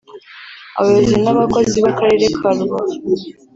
Abayobozi n’abakozi b’Akarere ka Rubavu